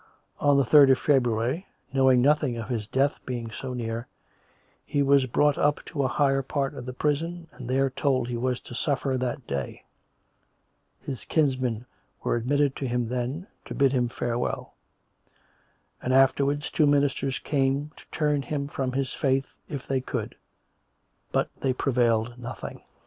"' On the third of February, knowing nothing of his death being so near, he was brought up to a higher part of the prison, and there told he was to suffer that day. His kinsmen were admitted to him then, to bid him farewell; and afterwards two ministers came to turn him from his faith if they could; but they prevailed nothing.'"